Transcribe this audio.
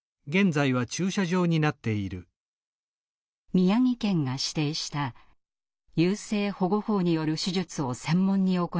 宮城県が指定した優生保護法による手術を専門に行う診療所。